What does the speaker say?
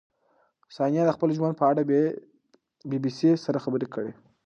ثانیه د خپل ژوند په اړه د بي بي سي سره خبرې کړې.